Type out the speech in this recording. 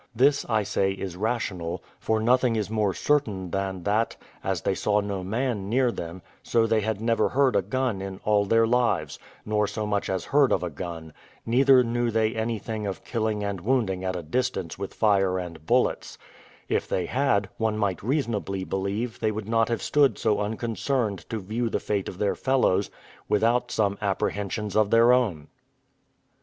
This, I say, is rational; for nothing is more certain than that, as they saw no man near them, so they had never heard a gun in all their lives, nor so much as heard of a gun; neither knew they anything of killing and wounding at a distance with fire and bullets: if they had, one might reasonably believe they would not have stood so unconcerned to view the fate of their fellows, without some apprehensions of their own.